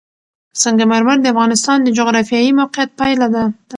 سنگ مرمر د افغانستان د جغرافیایي موقیعت پایله ده.